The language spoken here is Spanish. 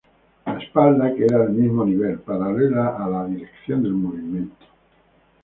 La espalda queda al mismo nivel, paralela a la dirección del movimiento.